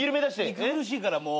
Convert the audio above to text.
息苦しいからもう。